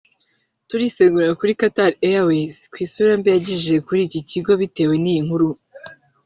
turisegura kuri Qatar Airways ku isura mbi yageze kuri iki kigo bitewe n’iyi nkuru